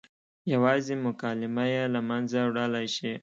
یوازې مکالمه یې له منځه وړلی شي.